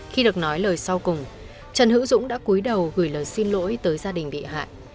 khi được nói lời sau cùng trần hữu dũng đã cuối đầu gửi lời xin lỗi tới gia đình bị hại